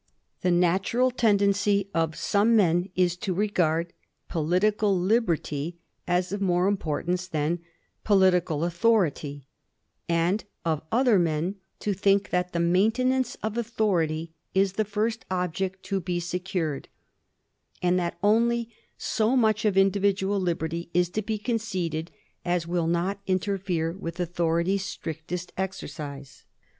The natural tendency of some men is to regard political liberty as of more importance than political authority, and of other men to think that the maintenance of authority is the first object to be secured, and that only so much of indi vidual liberty is to be conceded as will not interfere with authority's strictest exercise.